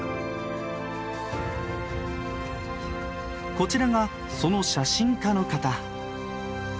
こちらがその写真家の方。